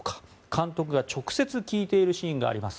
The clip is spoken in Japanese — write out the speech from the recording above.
監督が直接聞いているシーンがあります。